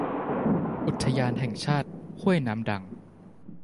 อุทยานแห่งชาติห้วยน้ำดัง